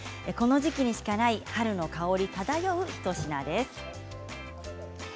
この時期にしかない春の香り漂う一品です。